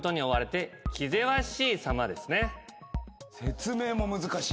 説明も難しい。